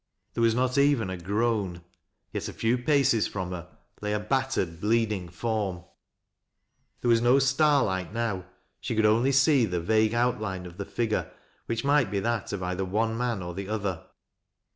There was not even a groan. Yet a few paces from her, lay a bat tered, bleeding form. There was no starlight now, she could see only the vague outline of the figure, which might be that of either one man or the other.